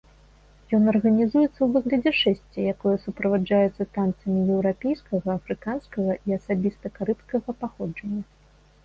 Ён арганізуецца ў выглядзе шэсця, якое суправаджаецца танцамі еўрапейскага, афрыканскага і асабіста карыбскага паходжання.